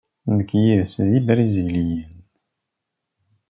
Nekk yid-s d Ibriziliyen.